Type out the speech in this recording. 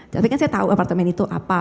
tapi kan saya tahu apartemen itu apa